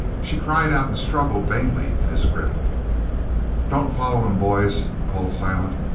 She cried out and struggled vainly in his grip. "Don't follow him, boys!" called Silent.